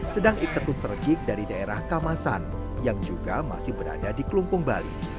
sedang iketut sergik dari daerah kamasan yang juga masih berada di kelungkung bali